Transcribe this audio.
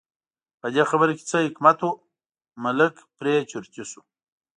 په دې خبره کې څه حکمت و، ملک پرې چرتي شو.